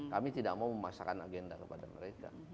kami tidak mau memasakkan agenda kepada mereka